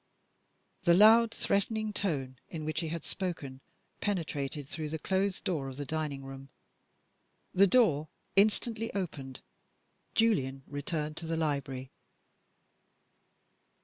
The loud threatening tone in which he had spoken penetrated through the closed door of the dining room. The door instantly opened. Julian returned to the library.